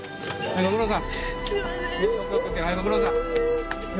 ・ご苦労さん。